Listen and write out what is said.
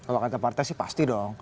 kalau kata partai sih pasti dong